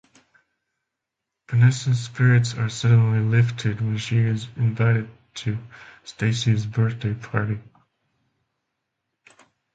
Vanessa's spirits are suddenly lifted when she is invited to Stacey's birthday party.